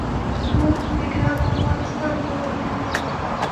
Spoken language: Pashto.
نوم د ګران افغانستان په ولیکمه